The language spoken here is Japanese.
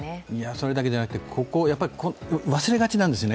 それだけじゃなくて、忘れがちなんですよね。